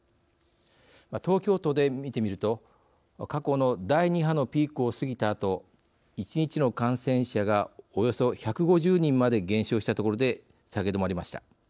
東京都で見てみると過去の第２波のピークを過ぎたあと１日の感染者がおよそ１５０人まで減少したところで下げ止まりました。